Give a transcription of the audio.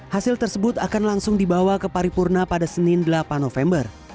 hasil tersebut akan langsung dibawa ke paripurna pada senin delapan november